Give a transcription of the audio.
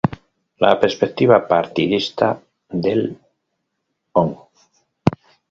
La perspectiva partidista del Hon.